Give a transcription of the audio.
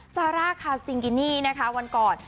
ซาร่าคาซิงกินี่นะคะวันก่อน